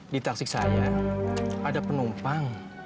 di taksik saya ada penumpang